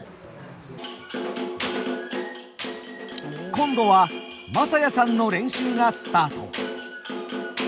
今度は正弥さんの練習がスタート。